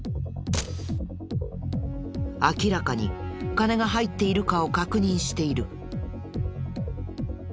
明らかに金が入っているかを確認している。